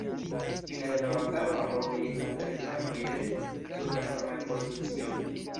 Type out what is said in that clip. Fine de la batalo ambaŭ militantaj flankoj restis sur la samaj pozicioj.